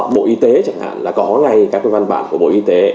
bộ y tế chẳng hạn là có ngay các văn bản của bộ y tế